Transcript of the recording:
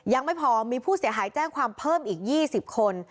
ยังไม่พอมีผู้เสียหายแจ้งความเพิ่มอีก๒๐คน